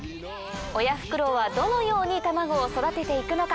親フクロウはどのように卵を育てていくのか。